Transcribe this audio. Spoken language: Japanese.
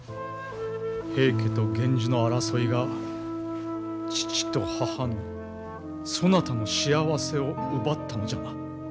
平家と源氏の争いが父と母のそなたの幸せを奪ったのじゃな？